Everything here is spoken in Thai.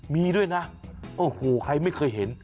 มีด้วยนะโอ้โหใครไม่เคยเห็น